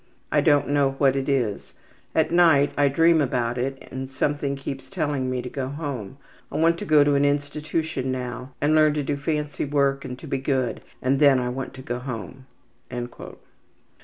I don't know what it is. At night I dream about it and something keeps telling me to go home. I want to go to an institution now and learn to do fancy work and to be good, and then I want to go home.''